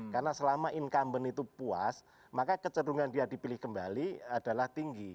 karena selama incumbent itu puas maka kecerungan dia dipilih kembali adalah tinggi